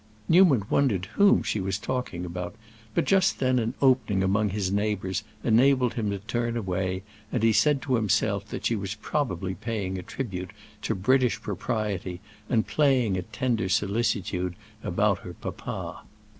Newman wondered whom she was talking about, but just then an opening among his neighbors enabled him to turn away, and he said to himself that she was probably paying a tribute to British propriety and playing at tender solicitude about her papa.